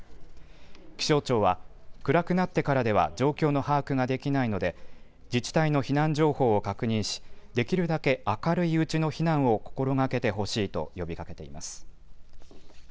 気象庁は暗くなってからでは状況の把握ができないので自治体の避難情報を確認しできるだけ明るいうちの避難を心がけてほしいと呼びかけています。